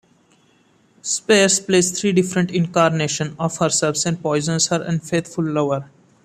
Spears plays three different incarnations of herself and poisons her unfaithful lover.